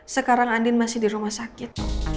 sekarang andin masih di rumah sakit